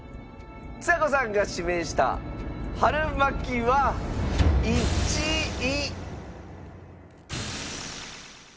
ちさ子さんが指名した春巻きは１位。